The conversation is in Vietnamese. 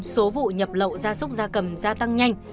số vụ nhập lậu ra súc ra cầm gia tăng nhanh